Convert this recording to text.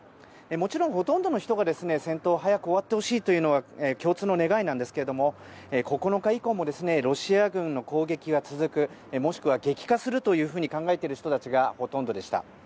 もちろんほとんどの人が戦闘が早く終わってほしいというのが共通の願いなんですが９日以降もロシア軍の攻撃が続くもしくは激化すると考えている人たちがほとんどでした。